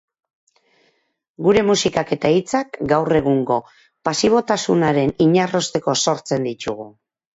Gure musikak eta hitzak gaur egungo pasibotasunaren inarrosteko sortzen ditugu.